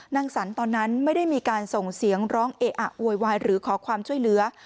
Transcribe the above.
สันตอนนั้นไม่ได้มีการส่งเสียงร้องเออะโวยวายหรือขอความช่วยเหลือ